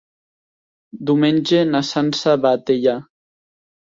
Diumenge na Sança va a Teià.